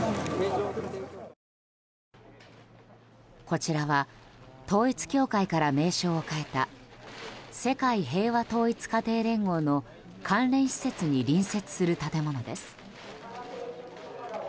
こちらは統一教会から名称を変えた世界平和統一家庭連合の関連施設に隣接する建物です。